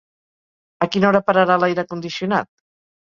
A quina hora pararà l'aire condicionat?